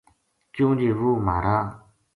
کیوں جی وہ مہارا